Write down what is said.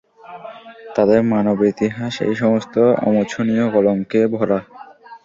তাদের মানবেতিহাস এ সমস্ত অমোছনীয় কলঙ্কে ভরা।